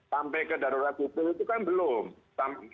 sampai ke darurat hukum itu kan belum